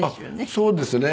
そうですね。